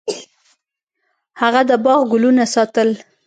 هغه د باغ ګلونه ساتل.